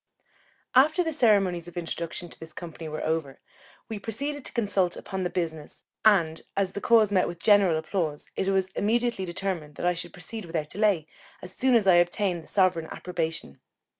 After the ceremonies of introduction to this company were over, we proceeded to consult upon the business; and as the cause met with general applause, it was immediately determined that I should proceed without delay, as soon as I obtained the sovereign approbation.